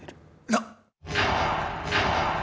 なっ！？